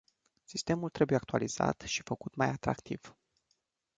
Sistemul trebuie actualizat și făcut mai atractiv.